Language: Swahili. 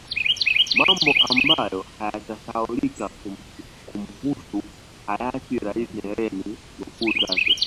Mambo ambayo hayatasahaulika kumuhusu Hayati rais Nyerere ni nukuu zake